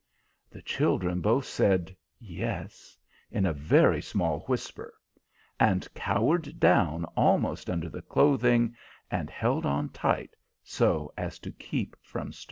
The children both said "Yes" in a very small whisper, and cowered down almost under the clothing, and held on tight, so as to keep from stirring.